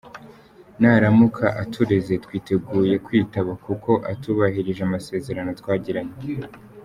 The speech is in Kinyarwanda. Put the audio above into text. Naramuka atureze twiteguye kwitaba kuko atubahirije amasezerano twagiranye.